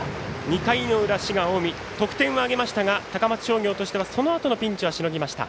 ２回の裏、滋賀、近江得点は挙げましたが高松商業としてはそのあとのピンチはしのぎました。